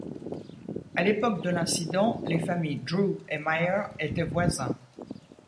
À l'époque de l'incident, les familles Drew et Meier étaient voisins.